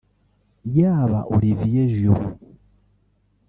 yaba Olivier Giroud